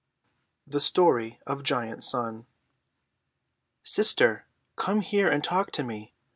Bourdillon. THE STORY OF GIANT SUN. "Sister, come here and talk to me.